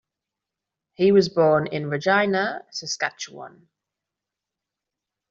He was born in Regina, Saskatchewan.